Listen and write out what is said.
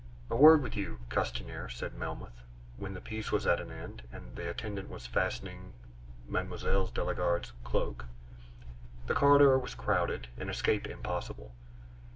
"A word with you, Castanier," said Melmoth when the piece was at an end, and the attendant was fastening Mme. de la Garde's cloak. The corridor was crowded, and escape impossible.